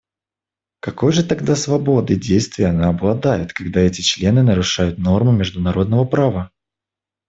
Какой же тогда свободой действий она обладает, когда эти члены нарушают нормы международного права?